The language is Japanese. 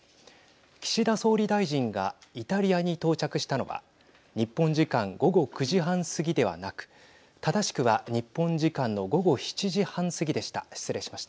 岸田総理大臣がイタリアに到着したのは日本時間午後９時半過ぎではなく正しくは日本時間の午後７時半過ぎでした。